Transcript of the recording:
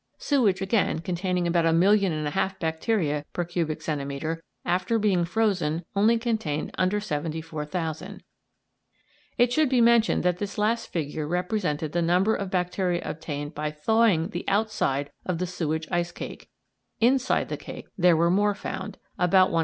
Sewage, again, containing about a million and a half bacteria per cubic centimetre after being frozen only contained under 74,000. It should be mentioned that this last figure represented the number of bacteria obtained by thawing the outside of the sewage ice cake; inside the cake there were more found about 121,000.